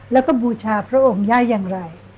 และก็บูชาพระองค์ย่ายังไง